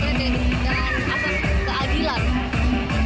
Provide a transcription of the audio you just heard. karena menurut saya ini adalah salah satu